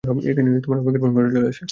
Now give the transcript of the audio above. এখানেই আবেগের প্রসঙ্গটা চলে আসে।